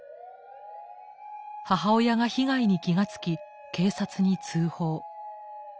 母親が被害に気が付き警察に通報。